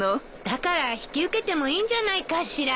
だから引き受けてもいいんじゃないかしら？